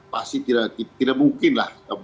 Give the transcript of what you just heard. pasti tidak mungkin lah